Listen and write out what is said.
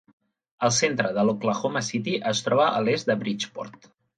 El centre d'Oklahoma City es troba a l'est de Bridgeport.